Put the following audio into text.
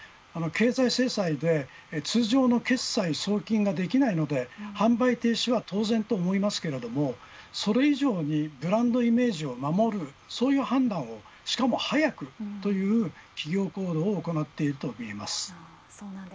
経済制裁で通常の決済と送金ができないので販売停止は当然と思いますけれどもそれ以上にブランドイメージを守るそういう判断を、しかも早くという企業行動を行っているといえます。